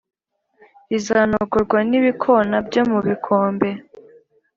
rizanogorwa n’ibikōna byo mu bikombe,